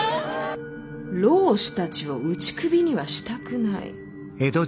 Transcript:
浪士たちを打ち首にはしたくない。